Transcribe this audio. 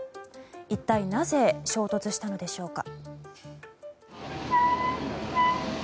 一体なぜ衝突したのでしょうか。